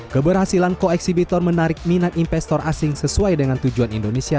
keberhasilan koeksibitor menarik minat investor asing sesuai dengan tujuan indonesia